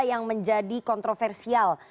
yang menjadi kontroversial